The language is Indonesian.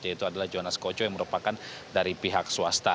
yaitu adalah jonas koco yang merupakan dari pihak swasta